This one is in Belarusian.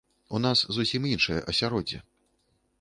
У нас зусім іншае асяроддзе.